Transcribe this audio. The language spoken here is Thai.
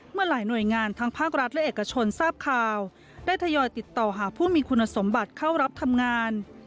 หลายหน่วยงานทั้งภาครัฐและเอกชนทราบข่าวได้ทยอยติดต่อหาผู้มีคุณสมบัติเข้ารับทำงาน